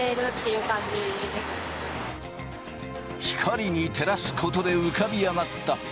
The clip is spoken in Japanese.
光に照らすことで浮かび上がった